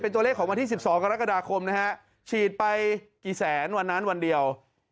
ตัวเลขของวันที่๑๒กรกฎาคมนะฮะฉีดไปกี่แสนวันนั้นวันเดียว